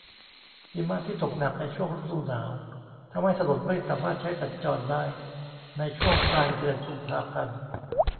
หิมะที่ตกหนักในช่วงฤดูหนาวทำให้ถนนไม่สามารถใช้สัญจรได้ในช่วงปลายเดือนกุมภาพันธ์